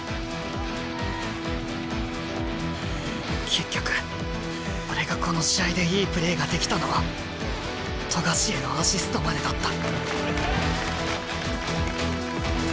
結局俺がこの試合でいいプレーができたのは冨樫へのアシストまでだった。